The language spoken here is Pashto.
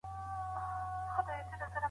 اسلام په کومو برخو کي سوله مشروع کړې ده؟